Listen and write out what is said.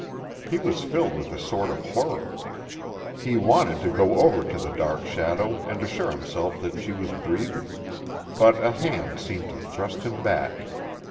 He was filled with a sort of horror. He wanted to go over to the dark shadow and assure himself that she was breathing, but a hand seemed to thrust him back.